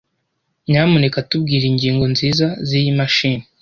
Nyamuneka tubwire ingingo nziza ziyi mashini.